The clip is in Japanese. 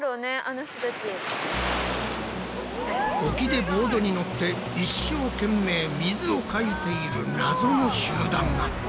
沖でボードに乗って一生懸命水をかいているナゾの集団が！